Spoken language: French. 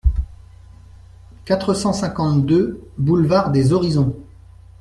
quatre cent cinquante-deux boulevard des Horizons